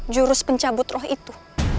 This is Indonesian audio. jurus pencabut roh itu